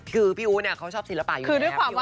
คือพี่อู๋เนี่ยเขาชอบศิลปะอยู่แล้ว